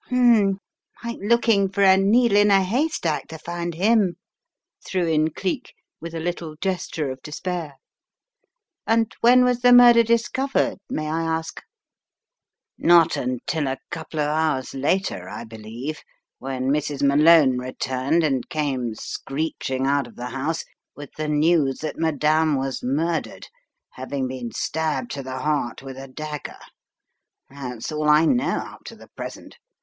"H'm, like looking for a needle in a haystack to find him" threw in Cleek with a little gesture of de spair. "And when was the murder discovered, may I ask?" "Not until a couple of hours later, I believe, when Mrs. Malone returned and came screeching out of the The Threads of Chance 57 house with the news that Madame was murdered, having been stabbed to the heart with a dagger. That's all I know up to the present.